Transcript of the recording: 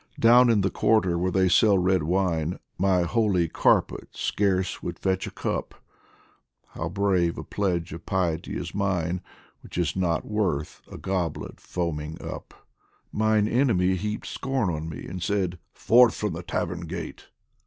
POEMS FROM THE Down in the quarter where they sell red wine, My holy carpet scarce would fetch a cup How brave a pledge of piety is mine, Which is not worth a goblet foaming up ! Mine enemy heaped scorn on me and said :" Forth from the tavern gate